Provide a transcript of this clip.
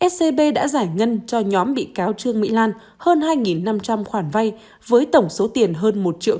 scb đã giải ngân cho nhóm bị cáo trương mỹ lan hơn hai năm trăm linh khoản vay với tổng số tiền hơn một triệu